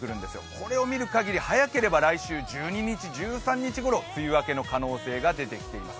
これを見るかぎり早ければ来週１２日、１３日ごろ梅雨明けの可能性が出てきています。